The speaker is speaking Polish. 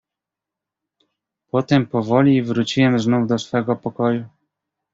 "Potem powoli wróciłem znów do swego pokoju."